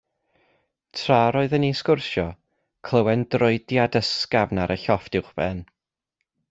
Tra'r oeddym ni'n sgwrsio, clywem droediad ysgafn ar y llofft uwchben.